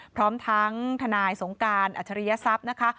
พร้อมทั้งทนายสงการอัจฉริยศัพย์นะคะ